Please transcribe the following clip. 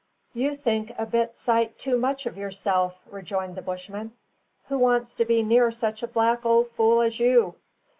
"You think a big sight too much of yourself," rejoined the Bushman. "Who wants to be near such a black ole fool as you?